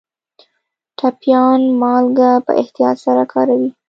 ټبیايان مالګه په احتیاط سره کاروي.